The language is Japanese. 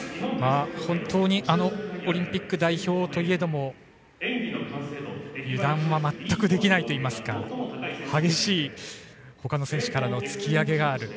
本当に、あのオリンピック代表といえども油断は全くできないといいますか激しいほかの選手からの突き上げがある。